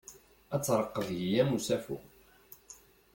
Ad tṛeq deg-i am usafu.